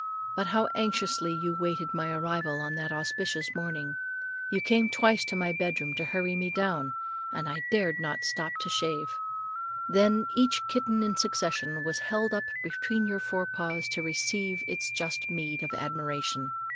But how anxiously you waited my arrival on that auspicious morning. You came twice to my bedroom to hurry me down, and I dared not stop to shave. Then each kitten in succession was held up between your forepaws to receive its just meed of admiration.